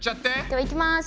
ではいきます。